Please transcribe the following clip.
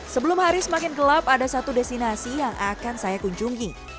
sebelum hari semakin gelap ada satu destinasi yang akan saya kunjungi